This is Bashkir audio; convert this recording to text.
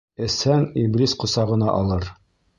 Эсһәң, иблис ҡосағына алыр